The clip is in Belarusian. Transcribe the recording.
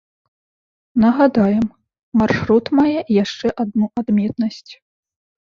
Нагадаем, маршрут мае яшчэ адну адметнасць.